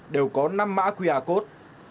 đều có năm mã quìa cốt